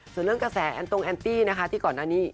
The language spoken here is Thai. ส่วนเรื่องกระแสแอนตรงแอนตี้นะคะที่ก่อนหน้านี้